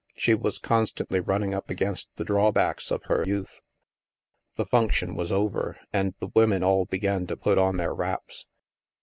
She was constantly running up against the draw backs of her youth. The function was over, and the women all began to put on their wraps.